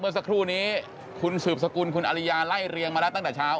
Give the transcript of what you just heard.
เมื่อสักครู่นี้คุณสืบสกุลคุณอริยาไล่เรียงมาแล้วตั้งแต่เช้า